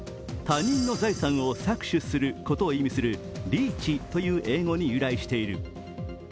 他人の財産を搾取するということを意味する、Ｌｅａｃｈという英語に由来している。